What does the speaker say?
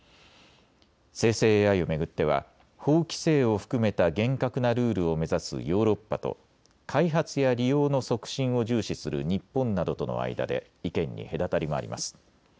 生成ＡＩを巡っては法規制を含めた厳格なルールを目指すヨーロッパと開発や利用の促進を重視する日本などとの間で意見に隔たりもあります。